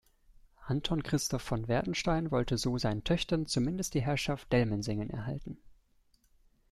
Anton Christoph von Werdenstein wollte so seinen Töchtern zumindest die Herrschaft Dellmensingen erhalten.